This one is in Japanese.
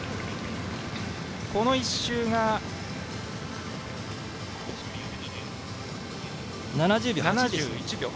この１周が７１秒です。